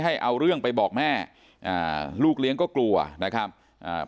ให้เอาเรื่องไปบอกแม่อ่าลูกเลี้ยงก็กลัวนะครับอ่า